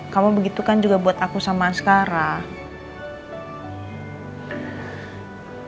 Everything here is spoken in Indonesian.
kamu begitu kan juga buat aku sama sekarang